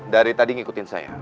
dari tadi ngikutin saya